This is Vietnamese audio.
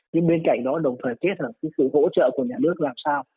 nhưng bên cạnh đó đồng thời kết hợp với sự hỗ trợ của nhà nước làm sao